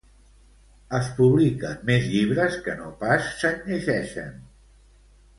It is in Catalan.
Es publiquen més llibres que no pas se'n llegeixen.